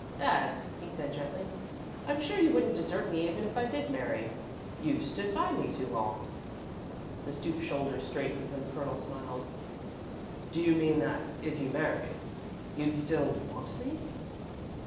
"Dad," he said, gently, "I'm sure you wouldn't desert me even if I did marry. You've stood by me too long." The stooped shoulders straightened and the Colonel smiled. "Do you mean that if you married, you'd still want me?"